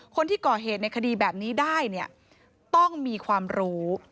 คนที่ก่อเหตุในคดีแบบนี้ได้เนี่ยต้องมีความรู้